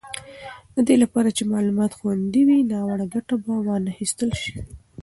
د دې لپاره چې معلومات خوندي وي، ناوړه ګټه به وانخیستل شي.